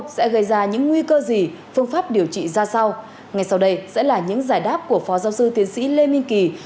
xin chào và hẹn gặp lại